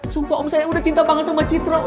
sumpah om saya udah cinta banget sama citra